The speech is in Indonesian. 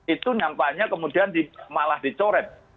itu nampaknya kemudian malah dicoret